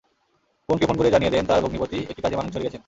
বোনকে ফোন করে জানিয়ে দেন, তাঁর ভগ্নিপতি একটি কাজে মানিকছড়ি গেছেন।